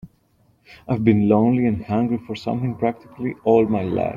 I've been lonely and hungry for something practically all my life.